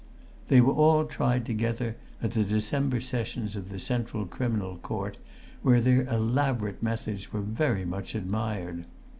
They were all tried together at the December sessions of the Central Criminal Court, when their elaborate methods were very much admired.